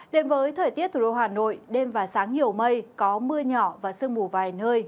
đến với thời tiết thủ đô hà nội đêm và sáng nhiều mây có mưa nhỏ và sương mù vài nơi